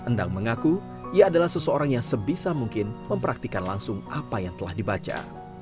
endang mengaku ia adalah seseorang yang sebisa mungkin mempraktikan langsung apa yang telah dibaca